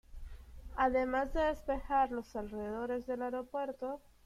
Además de despejar los alrededores del aeropuerto.